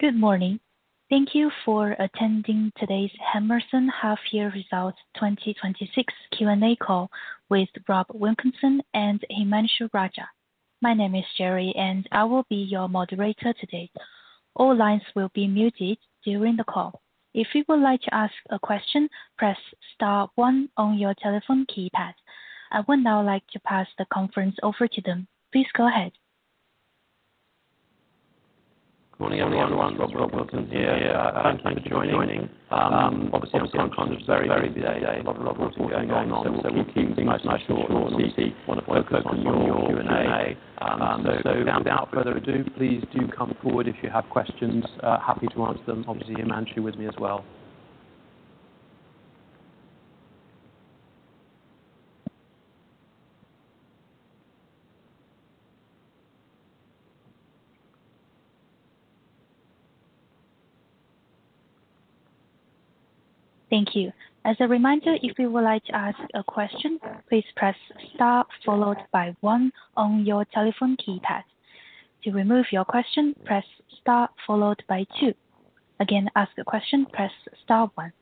Good morning. Thank you for attending today's Hammerson Half Year Results 2026 Q&A call with Rob Wilkinson and Himanshu Raja. My name is Sherry, and I will be your moderator today. All lines will be muted during the call. If you would like to ask a question, press star one on your telephone keypad. I would now like to pass the conference over to them. Please go ahead. Morning, everyone. It's Rob Wilkinson here. Thanks for joining. Obviously, I'm conscious it's very busy day, a lot of reporting going on, we'll keep things nice and short and obviously want to focus on your Q&A. Without further ado, please do come forward if you have questions. Happy to answer them. Obviously, Himanshu with me as well. Thank you. As a reminder, if you would like to ask a question, please press star followed by one on your telephone keypad. To remove your question, press star followed by two. Again, ask a question, press star one.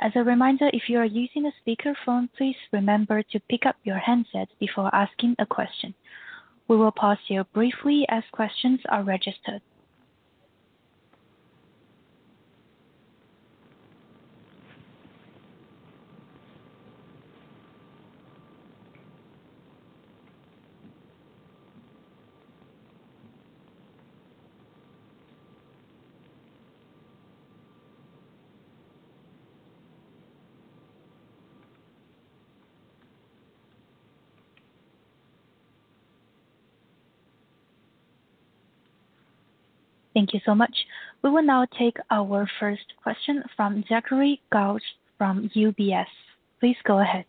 As a reminder, if you are using a speakerphone, please remember to pick up your handset before asking a question. We will pause here briefly as questions are registered. Thank you so much. We will now take our first question from Zachary Gauge from UBS. Please go ahead.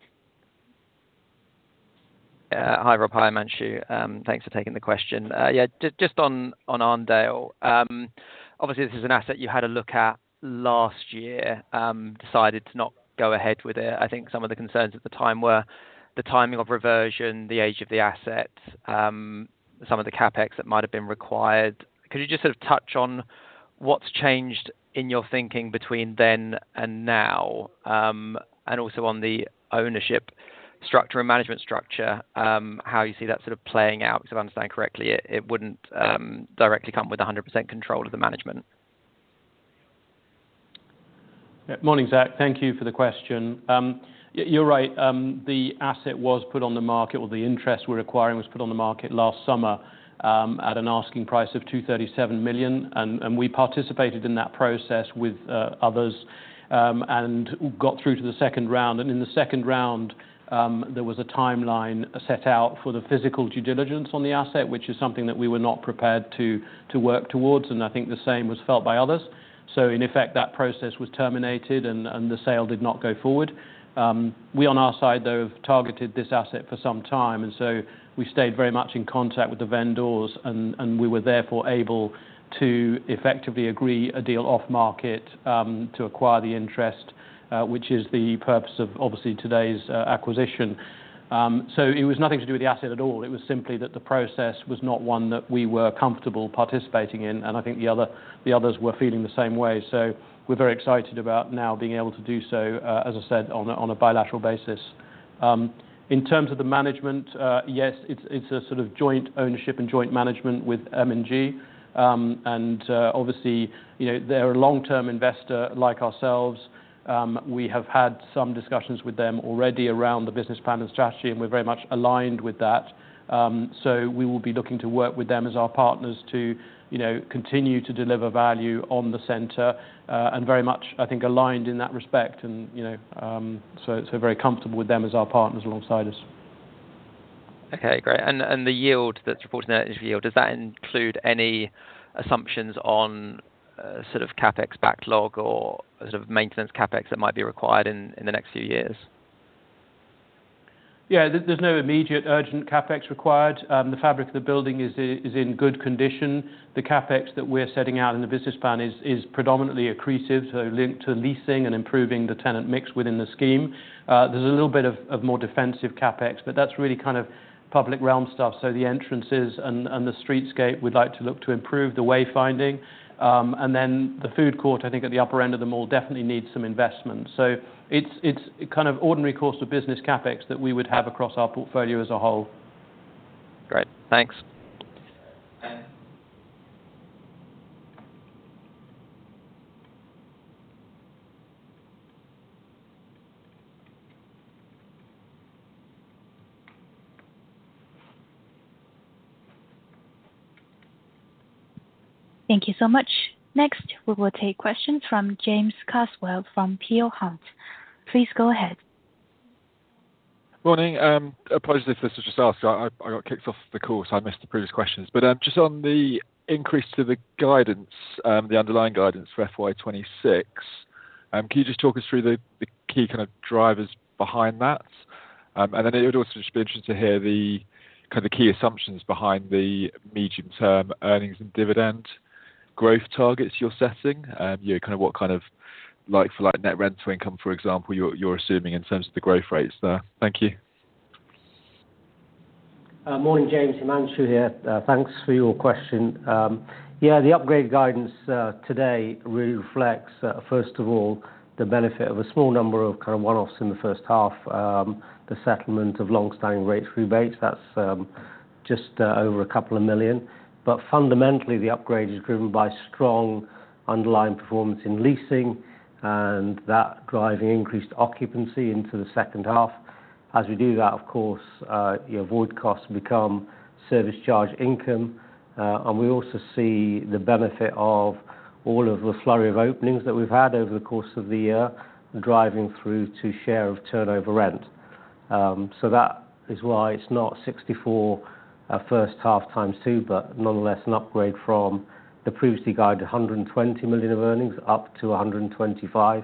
Yeah. Hi, Rob. Hi, Himanshu. Thanks for taking the question. Just on Arndale. Obviously, this is an asset you had a look at last year, decided to not go ahead with it. I think some of the concerns at the time were the timing of reversion, the age of the asset, some of the CapEx that might have been required. Could you just sort of touch on what's changed in your thinking between then and now? Also on the ownership structure and management structure, how you see that sort of playing out, because if I understand correctly, it wouldn't directly come with 100% control of the management. Morning, Zach. Thank you for the question. You're right. The asset was put on the market, or the interest we're acquiring was put on the market last summer, at an asking price of 237 million. We participated in that process with others, and got through to the second round. In the second round, there was a timeline set out for the physical due diligence on the asset, which is something that we were not prepared to work towards, and I think the same was felt by others. In effect, that process was terminated and the sale did not go forward. We, on our side, though, have targeted this asset for some time. We stayed very much in contact with the vendors and we were therefore able to effectively agree a deal off-market, to acquire the interest, which is the purpose of obviously today's acquisition. It was nothing to do with the asset at all. It was simply that the process was not one that we were comfortable participating in, and I think the others were feeling the same way. We're very excited about now being able to do so, as I said, on a bilateral basis. In terms of the management, yes, it's a sort of joint ownership and joint management with M&G. Obviously, they're a long-term investor like ourselves. We have had some discussions with them already around the business plan and strategy, and we're very much aligned with that. We will be looking to work with them as our partners to continue to deliver value on the center, and very much, I think, aligned in that respect and very comfortable with them as our partners alongside us. Okay, great. The yield that's reported, net yield, does that include any assumptions on sort of CapEx backlog or sort of maintenance CapEx that might be required in the next few years? There's no immediate urgent CapEx required. The fabric of the building is in good condition. The CapEx that we're setting out in the business plan is predominantly accretive, so linked to leasing and improving the tenant mix within the scheme. There's a little bit of more defensive CapEx, but that's really kind of public realm stuff, so the entrances and the streetscape. We'd like to look to improve the way-finding. The food court, I think at the upper end of the mall definitely needs some investment. It's kind of ordinary course of business CapEx that we would have across our portfolio as a whole. Great. Thanks. Okay. Thank you so much. Next, we will take questions from James Carswell from Peel Hunt. Please go ahead. Morning. Apologies if this was just asked. I got kicked off the call, so I missed the previous questions. Just on the increase to the guidance, the underlying guidance for FY 2026, can you just talk us through the key kind of drivers behind that? Then it would also just be interesting to hear the kind of key assumptions behind the medium-term earnings and dividend growth targets you're setting. What kind of like for like Net Rental Income, for example, you're assuming in terms of the growth rates there. Thank you. Morning, James. Himanshu here. Thanks for your question. The upgrade guidance today reflects, first of all, the benefit of a small number of one-offs in the first half, the settlement of longstanding rate rebates, that's just over a couple of million. Fundamentally, the upgrade is driven by strong underlying performance in leasing and that driving increased occupancy into the second half. As we do that, of course, your void costs become service charge income. We also see the benefit of all of the flurry of openings that we've had over the course of the year, driving through to share of turnover rent. That is why it's not 64 at first half times two, but nonetheless, an upgrade from the previously guided 120 million of earnings up to 125.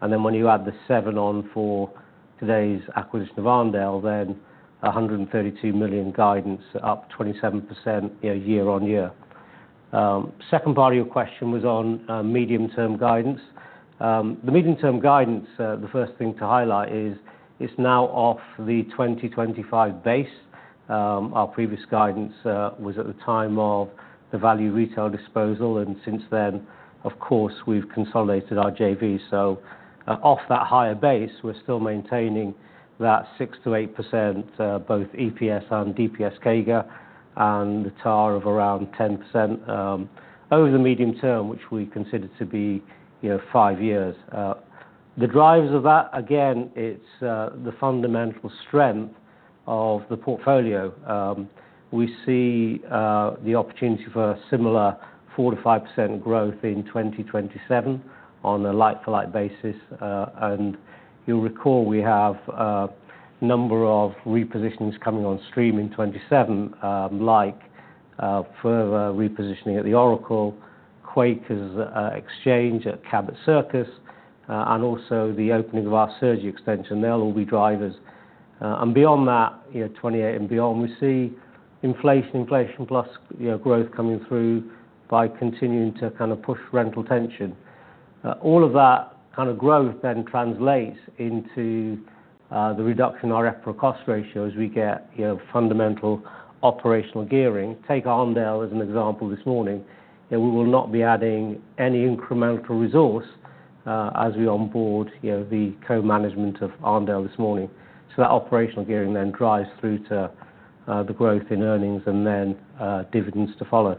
When you add the seven on for today's acquisition of Arndale, 132 million guidance up 27% year-on-year. Second part of your question was on medium-term guidance. Medium-term guidance, the first thing to highlight is it's now off the 2025 base. Our previous guidance was at the time of the Value Retail disposal, and since then, of course, we've consolidated our JV. Off that higher base, we're still maintaining that 6%-8% both EPS and DPS CAGR and the TAR of around 10% over the medium term, which we consider to be five years. Drivers of that, again, it's the fundamental strength of the portfolio. We see the opportunity for similar 4%-5% growth in 2027 on a like-for-like basis. You'll recall, we have a number of repositions coming on stream in 2027, like further repositioning at The Oracle, Quakers Exchange at Cabot Circus, and also the opening of our surgery extension. They'll all be drivers. Beyond that, 2028 and beyond, we see inflation plus growth coming through by continuing to push rental tension. All of that kind of growth translates into the reduction in our FPRO cost ratio as we get fundamental operational gearing. Take Arndale as an example this morning. We will not be adding any incremental resource as we onboard the co-management of Arndale this morning. That operational gearing drives through to the growth in earnings and dividends to follow.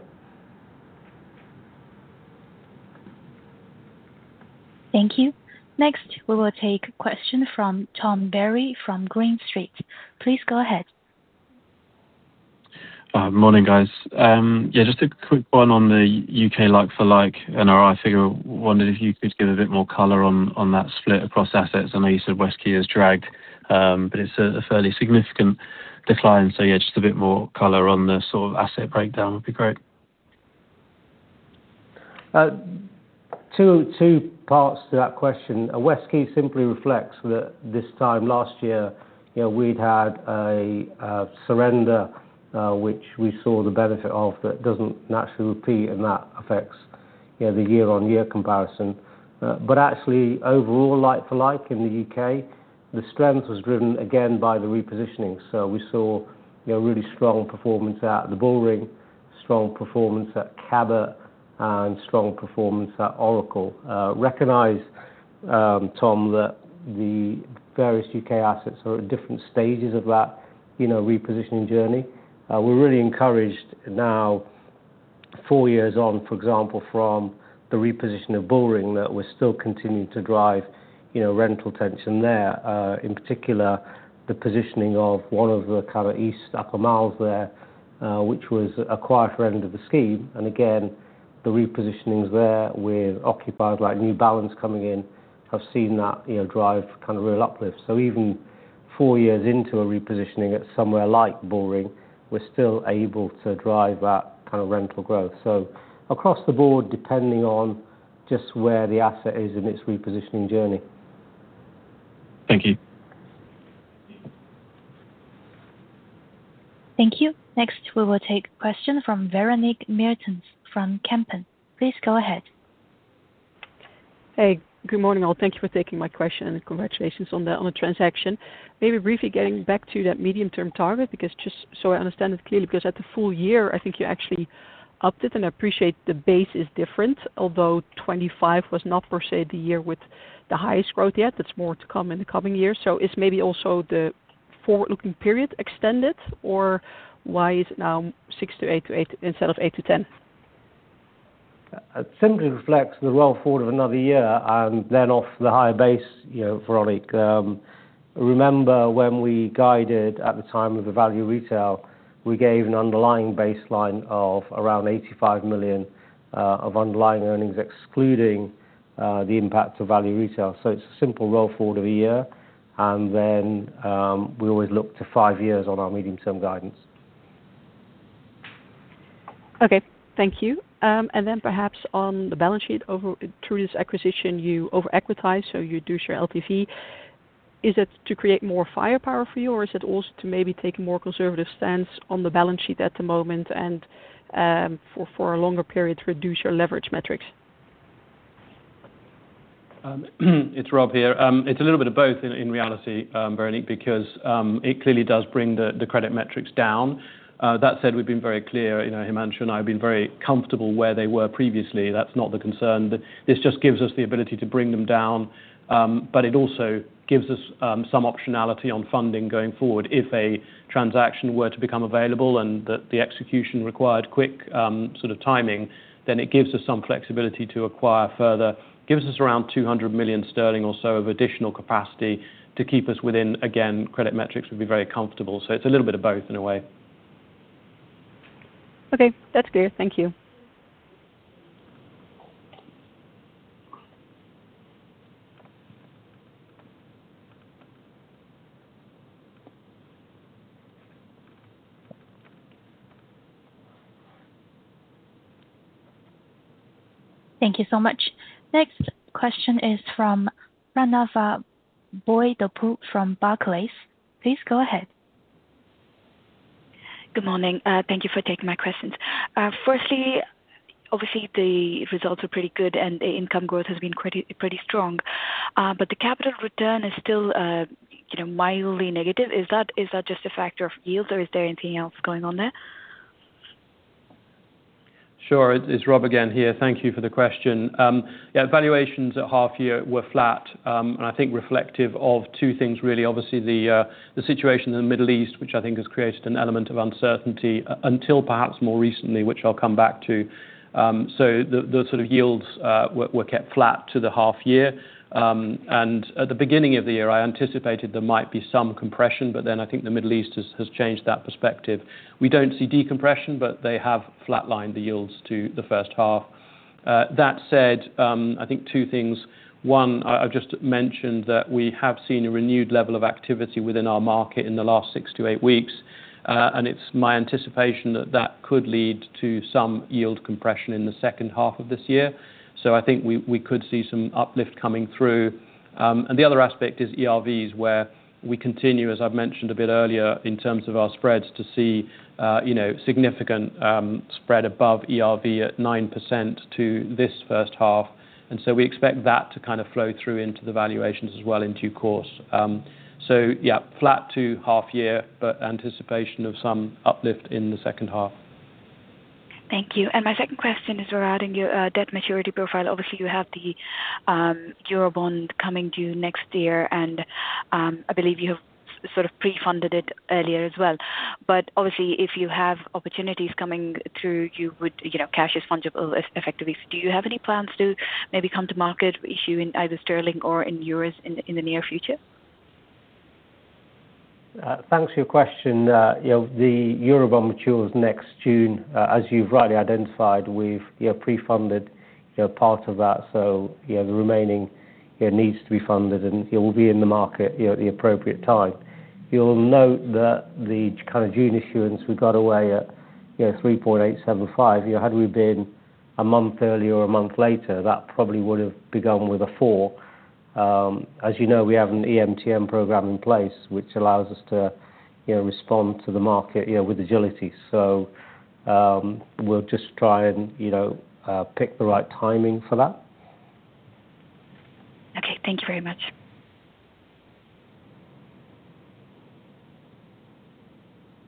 Thank you. Next, we will take a question from Tom Berry from Green Street. Please go ahead. Morning, guys. Just a quick one on the U.K. like-for-like NRI figure. Wondered if you could give a bit more color on that split across assets. I know you said Westquay has dragged, but it's a fairly significant decline. Just a bit more color on the sort of asset breakdown would be great. Two parts to that question. Westquay simply reflects that this time last year, we had had a surrender, which we saw the benefit of that does not naturally repeat, and that affects the year-over-year comparison. Actually overall, like-for-like in the U.K., the strength was driven again by the repositioning. We saw really strong performance at the Bullring, strong performance at Cabot, and strong performance at Oracle. Recognize, Tom, that the various U.K. assets are at different stages of that repositioning journey. We are really encouraged now, four years on, for example, from the reposition of Bullring, that we are still continuing to drive rental tension there. In particular, the positioning of one of the kind of East Upper Mall there, which was a quieter end of the scheme. Again, the repositionings there with occupiers like New Balance coming in, have seen that drive real uplift. Even four years into a repositioning at somewhere like Bullring, we are still able to drive that kind of rental growth. Across the board, depending on just where the asset is in its repositioning journey. Thank you. Thank you. Next, we will take a question from Veronique Mertens from Kempen. Please go ahead. Good morning, all. Thank you for taking my question and congratulations on the transaction. Briefly getting back to that medium-term target, just so I understand it clearly, at the full year, I think you actually upped it, and I appreciate the base is different, although 2025 was not per se the year with the highest growth yet. That's more to come in the coming years. Is maybe also the forward-looking period extended, or why is it now six to eight instead of 8-10? It simply reflects the roll forward of another year and off the higher base, Veronique. Remember when we guided at the time of the Value Retail, we gave an underlying baseline of around 85 million of underlying earnings, excluding the impact of Value Retail. It's a simple roll forward of a year, and then, we always look to five years on our medium-term guidance. Okay. Thank you. Perhaps on the balance sheet. Through this acquisition, you over-equitize, so you reduce your LTV. Is it to create more firepower for you, or is it also to maybe take a more conservative stance on the balance sheet at the moment and, for a longer period, reduce your leverage metrics? It's Rob here. It's a little bit of both in reality, Veronique, because it clearly does bring the credit metrics down. That said, we've been very clear, Himanshu and I have been very comfortable where they were previously. That's not the concern. This just gives us the ability to bring them down, but it also gives us some optionality on funding going forward. If a transaction were to become available and the execution required quick timing, it gives us some flexibility to acquire further. Gives us around 200 million sterling or so of additional capacity to keep us within, again, credit metrics we'd be very comfortable. It's a little bit of both in a way. Okay. That's clear. Thank you. Thank you so much. Next question is from Pranava Boyidapu from Barclays. Please go ahead. Good morning. Thank you for taking my questions. Firstly, obviously the results are pretty good, the income growth has been pretty strong. The capital return is still mildly negative. Is that just a factor of yield or is there anything else going on there? Sure. It's Rob again here. Thank you for the question. Yeah, valuations at half year were flat, I think reflective of two things, really. Obviously, the situation in the Middle East, which I think has created an element of uncertainty, until perhaps more recently, which I'll come back to. Those sort of yields were kept flat to the half year. At the beginning of the year, I anticipated there might be some compression. I think the Middle East has changed that perspective. We don't see decompression. They have flat-lined the yields to the first half. That said, I think two things. One, I've just mentioned that we have seen a renewed level of activity within our market in the last six to eight weeks. It's my anticipation that that could lead to some yield compression in the second half of this year. I think we could see some uplift coming through. The other aspect is ERVs, where we continue, as I've mentioned a bit earlier, in terms of our spreads, to see significant spread above ERV at 9% to this first half. We expect that to kind of flow through into the valuations as well in due course. Yeah, flat to half year, but anticipation of some uplift in the second half. Thank you. My second question is regarding your debt maturity profile. Obviously, you have the Eurobond coming due next year, and I believe you have sort of pre-funded it earlier as well. Obviously if you have opportunities coming through, cash is fungible effectively. Do you have any plans to maybe come to market issuing either sterling or in euros in the near future? Thanks for your question. The Eurobond matures next June. As you've rightly identified, we've pre-funded part of that, the remaining needs to be funded, we'll be in the market at the appropriate time. You'll note that the kind of June issuance we got away at 3.875%. Had we been a month earlier or a month later, that probably would have begun with a four. As you know, we have an EMTN program in place, which allows us to respond to the market with agility. We'll just try and pick the right timing for that. Okay. Thank you very much.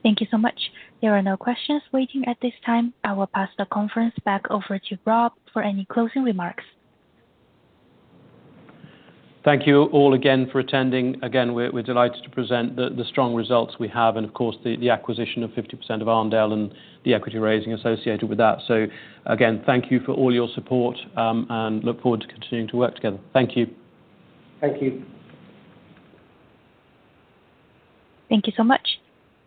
Thank you so much. There are no questions waiting at this time. I will pass the conference back over to Rob for any closing remarks. Thank you all again for attending. We're delighted to present the strong results we have and of course, the acquisition of 50% of Arndale and the equity raising associated with that. Again, thank you for all your support, and look forward to continuing to work together. Thank you. Thank you. Thank you so much.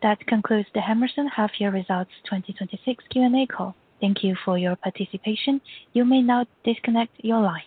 That concludes the Hammerson Half Year Results 2026 Q&A call. Thank you for your participation. You may now disconnect your line.